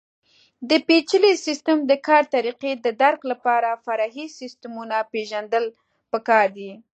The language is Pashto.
د پېچلي سیسټم د کار طریقې د درک لپاره فرعي سیسټمونه پېژندل پکار دي.